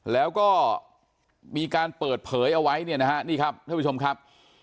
แล้วก็มีการเปิดเผยเอาไว้เนี่ยนะฮะนี่ครับท่านผู้ชมครับ